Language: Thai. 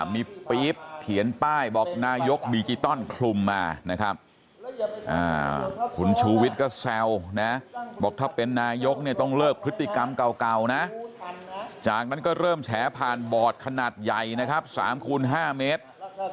มีปี๊บเขียนป้ายบอกนายกดิจิตอลคลุมมานะครับคุณชูวิทย์ก็แซวนะบอกถ้าเป็นนายกเนี่ยต้องเลิกพฤติกรรมเก่านะจากนั้นก็เริ่มแฉผ่านบอร์ดขนาดใหญ่นะครับ๓คูณ๕เมตร